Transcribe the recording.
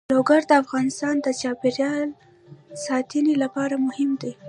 لوگر د افغانستان د چاپیریال ساتنې لپاره مهم دي.